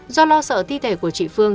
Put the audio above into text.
do lo sợ thi thể của chị phương